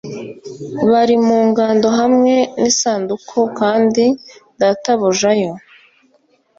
bari mu ngando hamwe n isanduku kandi databuja yo